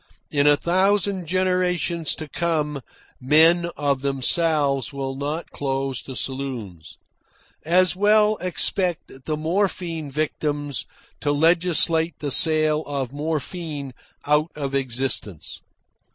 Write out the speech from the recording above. In a thousand generations to come men of themselves will not close the saloons. As well expect the morphine victims to legislate the sale of morphine out of existence.